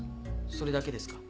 それだけですか？